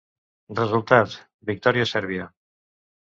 Resultat: victòria sèrbia.